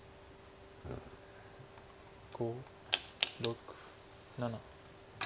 ５６７。